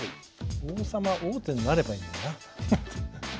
王様王手になればいいんだよな。